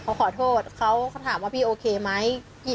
เขาขอโทษเขาถามว่าพี่โอเคไหม